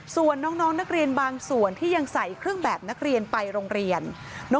ส่วนน้องนักเรียนบางส่วนที่ยังใส่เครื่องแบบนักเรียนไปโรงเรียน